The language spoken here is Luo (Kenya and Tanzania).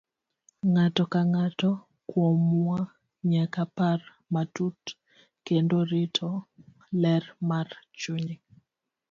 Ng'ato ka ng'ato kuomwa nyaka par matut kendo rito ler mar chunye.